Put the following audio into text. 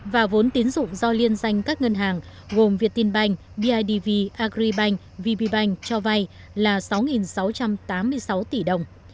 và vốn tín dụng do liên danh các ngân hàng gồm việt tin banh bidv agribank vb bank cho vay là sáu sáu trăm tám mươi sáu tỷ đồng